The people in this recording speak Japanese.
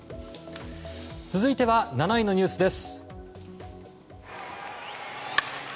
続いては７位のニュースです。